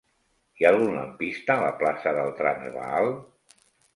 Hi ha algun lampista a la plaça del Transvaal?